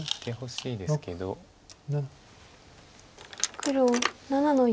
黒７の四。